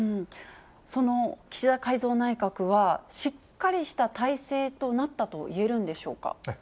その岸田改造内閣は、しっかりした体制となったといえるんでしょうか。